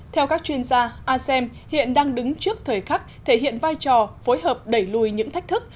theo các chuyên gia asem hiện đang đứng trước thời khắc thể hiện vai trò phối hợp đẩy lùi những thách thức